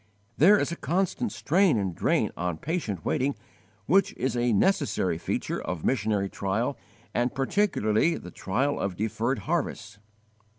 There is a constant strain and drain on patient waiting which is a necessary feature of missionary trial and particularly the trial of deferred harvests.